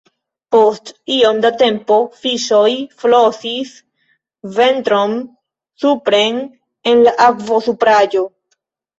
Post iom da tempo fiŝoj flosis ventron supren en la akvosupraĵo.